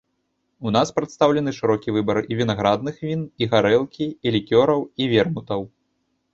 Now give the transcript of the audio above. У нас прадстаўлены шырокі выбар і вінаградных він, і гарэлкі, і лікёраў, і вермутаў.